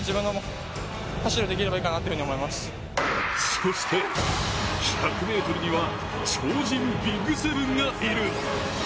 そして１００ｍには超人ＢＩＧ７がいる。